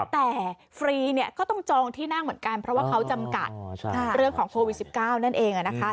แต่ฟรีเนี่ยก็ต้องจองที่นั่งเหมือนกันเพราะว่าเขาจำกัดเรื่องของโควิด๑๙นั่นเองนะคะ